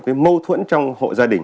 cái mâu thuẫn trong hộ gia đình